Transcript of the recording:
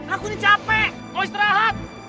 aku ini capek mau istirahat